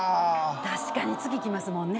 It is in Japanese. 確かに次来ますもんね。